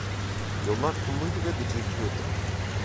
Yollar kumluydu ve gıcırdıyordu.